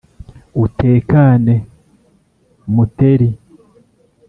Utekane , Muteri*